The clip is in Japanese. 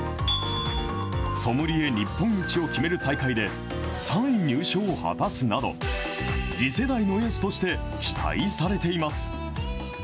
ソムリエ日本一を決める大会で、３位入賞を果たすなど、次世代のエースとして期待されています。